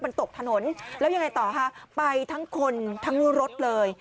มันตกถนนแล้วยังไงต่อฮะไปทั้งคนทั้งรถเลย